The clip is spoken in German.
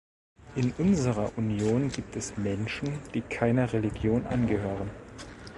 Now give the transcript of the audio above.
In unserer Union gibt es Menschen, die keiner Religion angehören.